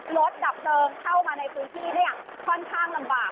ดับเพลิงเข้ามาในพื้นที่เนี่ยค่อนข้างลำบาก